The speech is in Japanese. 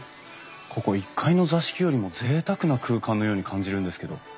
ここ１階の座敷よりもぜいたくな空間のように感じるんですけど。